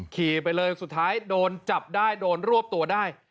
ขี่ไปเลยสุดท้ายโดนจับได้โดนรวบตัวได้